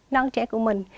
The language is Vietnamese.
non trẻ của mình